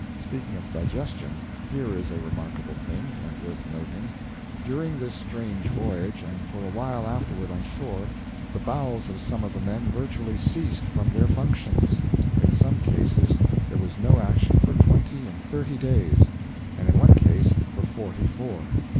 Speaking of digestion, here is a remarkable thing, and worth noting: during this strange voyage, and for a while afterward on shore, the bowels of some of the men virtually ceased from their functions; in some cases there was no action for twenty and thirty days, and in one case for forty four!